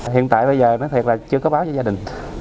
hiện tại bây giờ nói thật là chưa có báo cho gia đình